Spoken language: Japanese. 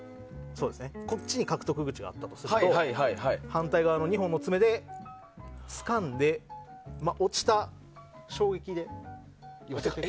獲得口がこっちにあったとすると反対側の２本の爪でつかんで、落ちた衝撃で寄せていく。